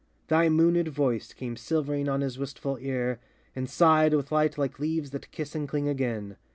Thy moonéd voice Came silvering on his wistful ear, and sighed With light like leaves that kiss and cling again.